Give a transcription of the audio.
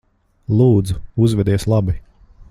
Lūdzu, uzvedies labi.